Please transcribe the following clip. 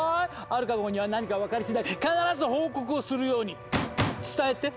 アルカ号には何か分かりしだい必ず報告をするように伝えて！